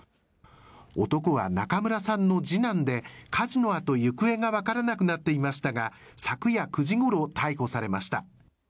男は中村さんの次男で、火事のあと行方が分からなくなっていましたが昨夜９時ごろ逮捕されました。